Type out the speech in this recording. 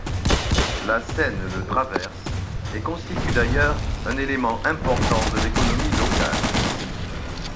La Seine le traverse et constitue, d'ailleurs, un élément important de l'économie locale.